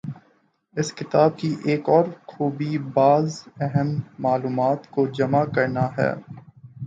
اس کتاب کی ایک اور خوبی بعض اہم معلومات کو جمع کرنا ہے۔